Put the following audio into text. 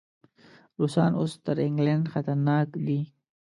روسان اوس تر انګلینډ خطرناک دي.